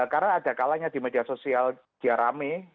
karena ada kalanya di media sosial dia rame